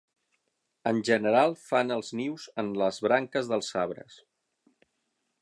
En general fan els nius en les branques dels arbres.